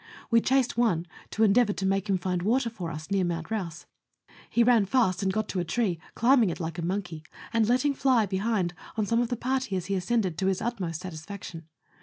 We chased one, to endeavour to make him find water for us near Mount Rouse ; he ran fast, and got to a tree, climbing it like a mon key, and letting fly behind on some of the party as he ascended, to his utmost satisfaction.